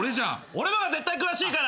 俺の方が絶対詳しいから。